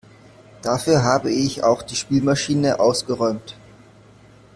Dafür habe ich auch die Spülmaschine ausgeräumt.